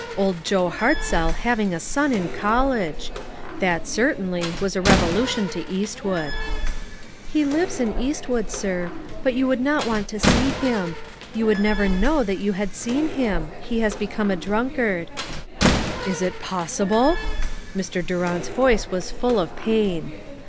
Old Joe Hartzell having a son in college! That, certainly, was a revelation to Eastwood. " He lives in Eastwood, sir ; but you 96 ONE COMMONPLACE DAY. would not want to see him ; you would never know that } ou had seen him ; lie has become a drunkard." "Is it possible?" Mr. Durant's voice was full of pain.